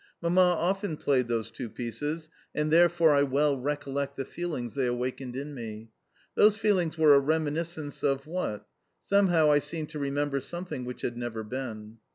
Mamma often played those two pieces, and therefore I well recollect the feelings they awakened in me. Those feelings were a reminiscence of what? Somehow I seemed to remember something which had never been.